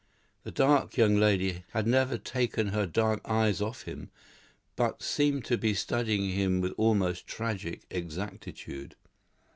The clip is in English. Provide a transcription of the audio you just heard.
The dark young lady had never taken her dark eyes off him, but seemed to be studying him with almost tragic exactitude.